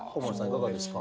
いかがですか？